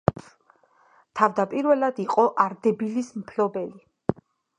თავდაპირველად იყო არდებილის მფლობელი.